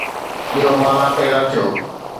ٻيو مالا پيدا ٿيو